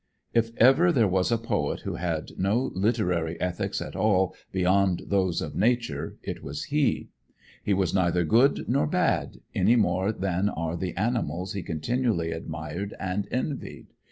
If ever there was a poet who had no literary ethics at all beyond those of nature, it was he. He was neither good nor bad, any more than are the animals he continually admired and envied.